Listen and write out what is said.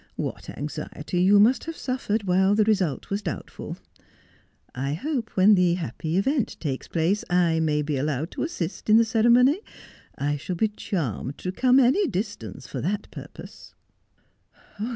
'What anxiety you must have suffered while the result was doubtful ! I hope when the happy event takes place I may be allowed to assist in the ceremony. I shall be charmed to come any distance for that purpose.'